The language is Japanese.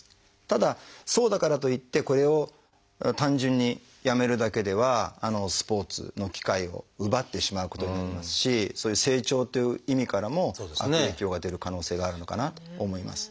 ただそうだからといってこれを単純にやめるだけではスポーツの機会を奪ってしまうことになりますしそういう成長という意味からも悪影響が出る可能性があるのかなと思います。